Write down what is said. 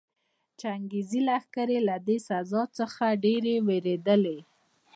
چنګېزي لښکرې له دې سزا څخه ډېرې ووېرېدلې.